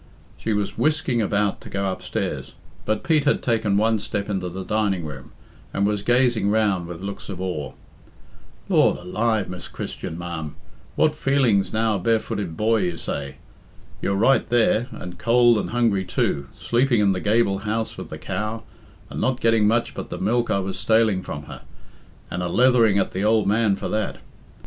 She was whisking about to go upstairs, but Pete had taken one step into the dining room, and was gazing round with looks of awe. "Lord alive, Miss Christian, ma'am, what feelings now barefooted boy, you say? You're right there, and cold and hungry too, sleeping in the gable house with the cow, and not getting much but the milk I was staling from her, and a leathering at the ould man for that.